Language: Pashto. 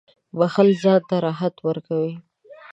• بښل ځان ته راحت ورکوي.